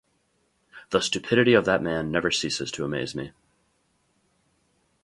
The stupidity of that man never ceases to amaze me.